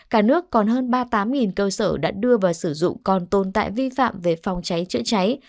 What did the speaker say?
cả nước còn hơn ba mươi tám cơ sở đã đưa vào sử dụng còn tồn tại vi phạm về phòng cháy chữa cháy